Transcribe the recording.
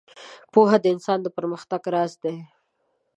• پوهه د انسان د پرمختګ راز دی.